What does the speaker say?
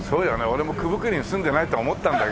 俺も九分九厘住んでないとは思ったんだけど。